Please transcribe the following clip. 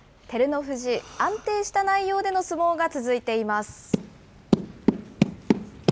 照ノ富士、安定した内容での相撲が続いています。